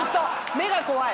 目が怖い。